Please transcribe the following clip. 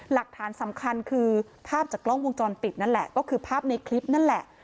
หลักฐานสำคัญคือภาพจากกล้องวงจรปิดนั่นแหละก็คือภาพในคลิปนั่นแหละ